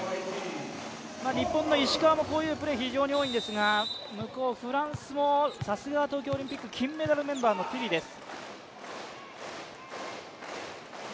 日本の石川もこういうプレー非常に多いんですが向こう、フランスもさすが東京オリンピック金メダルメンバーのティリです。